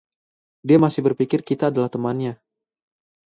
Dia masih berpikir kita adalah temannya.